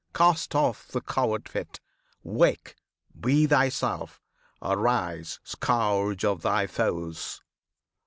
cast off the coward fit! Wake! Be thyself! Arise, Scourge of thy Foes!